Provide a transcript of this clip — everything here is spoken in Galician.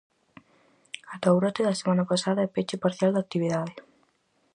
Ata o brote da semana pasada e peche parcial da actividade.